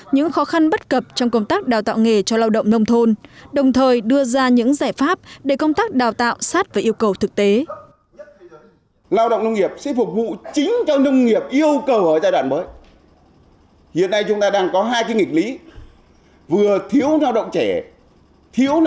những khó khăn bất cập trong công tác đào tạo nghề cho lao động nông thôn đồng thời đưa ra những giải pháp để công tác đào tạo sát với yêu cầu thực tế